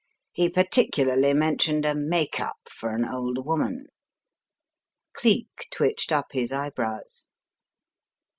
He particularly mentioned a * makeup' for an old woman/* Geek twitched up his eyebrows.